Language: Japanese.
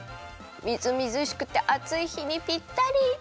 みずみずしくてあついひにぴったり！